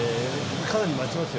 かなり待ちますよね？